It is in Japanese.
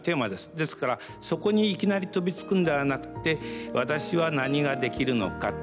ですからそこにいきなり飛びつくんではなくって私は何ができるのか。